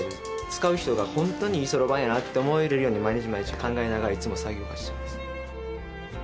使う人がホントにいいそろばんやなって思えるように毎日毎日考えながらいつも作業はしてます